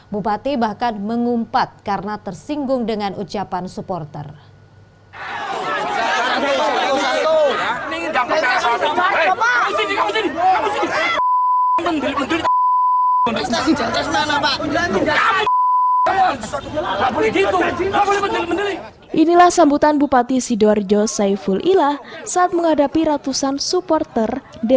bupati bahkan mengumpat karena tersinggung dengan ucapan supporter